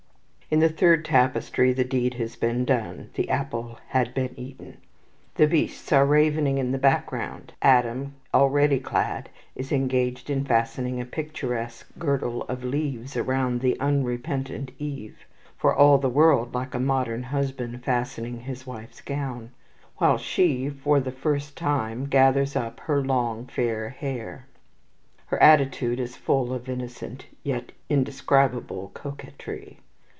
In the third tapestry the deed has been done, the apple had been eaten. The beasts are ravening in the background. Adam, already clad, is engaged in fastening a picturesque girdle of leaves around the unrepentant Eve, for all the world like a modern husband fastening his wife's gown, while she for the first time gathers up her long fair hair. Her attitude is full of innocent yet indescribable coquetry.